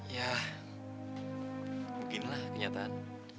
ya beginilah kenyataan